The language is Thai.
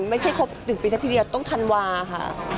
ไม่ใช่ครบ๑ปีซะทีเดียวต้องธันวาค่ะ